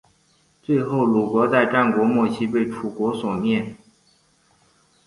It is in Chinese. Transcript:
最后鲁国在战国末期被楚国所灭。